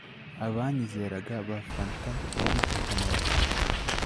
abanyizeraga bafamta nk'igihomora